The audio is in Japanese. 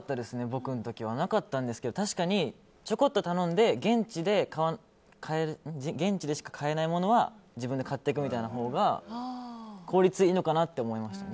僕の時はなかったんですけど確かにちょこっと頼んで現地でしか買えないものは自分で買っていくほうが効率いいのかなと思いました。